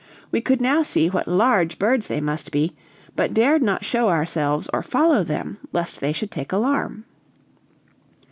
We could now see what large birds they must be, but dared not show ourselves or follow them, lest they should take alarm.